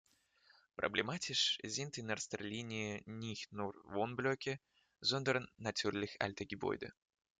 Problematisch sind in erster Linie nicht nur Wohnblöcke, sondern natürlich alte Gebäude.